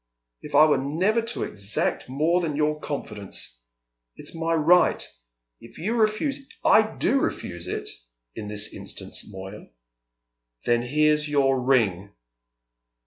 If I were never to exact more than your confidence! It's my right. If you refuse " "I do refuse it, in this instance, Moya." "Then here's your ring!"